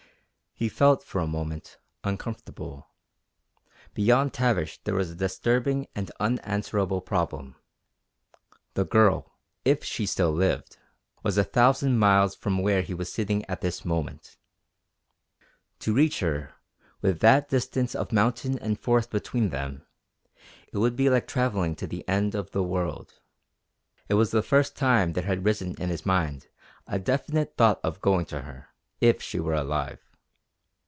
He felt, for a moment, uncomfortable. Beyond Tavish there was a disturbing and unanswerable problem. The Girl, if she still lived, was a thousand miles from where he was sitting at this moment; to reach her, with that distance of mountain and forest between them, would be like travelling to the end of the world. It was the first time there had risen in his mind a definite thought of going to her if she were alive.